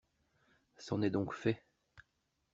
C'en est donc fait!